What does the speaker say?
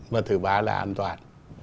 và thứ ba là an toàn